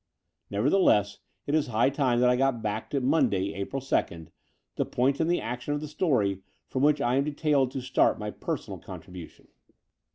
Nevertheless, it is high time that I got back to Monday, April 2nd, the point in the action of the story from which I am detailed to start my personal contribution.